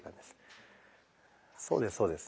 そうですそうです。